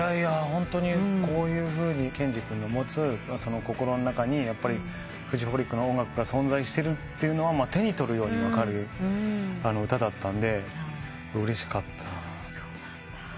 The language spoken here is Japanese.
ホントにこういうふうに健司君の持つ心の中にフジファブリックの音楽が存在してるっていうのは手に取るように分かる歌だったんでうれしかったです。